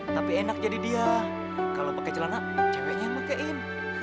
tapi enak jadi dia kalau pakai celana ceweknya yang pakaiin